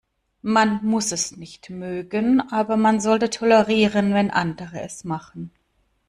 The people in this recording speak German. Man muss es nicht mögen, aber man sollte tolerieren, wenn andere es machen.